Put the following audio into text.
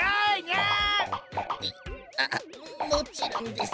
あもちろんです。